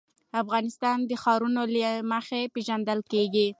افغانستان د ښارونه له مخې پېژندل کېږي.